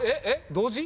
同時？